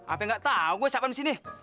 apa yang nggak tahu gue siapa di sini